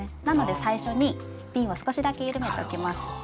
なので最初にびんを少しだけゆるめておきます。